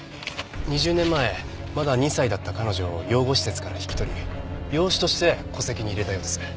２０年前まだ２歳だった彼女を養護施設から引き取り養子として戸籍に入れたようです。